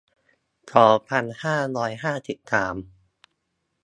สองพันห้าร้อยห้าสิบสาม